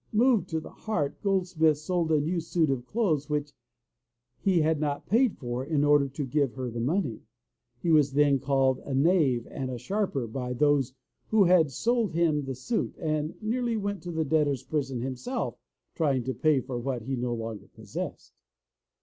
Moved to the heart, Goldsmith sold a new suit of clothes which he had not paid for in order to give her the money. He was then called a knave and a sharper by those who had sold him the suit, and nearly went to the debtor's prison himself trying to pay for what he no longer possessed.